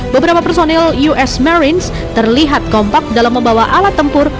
beberapa personil us marines terlihat kompak dalam membawa alat tempur